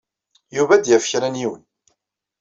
Yuba ad d-yaf kra n yiwen.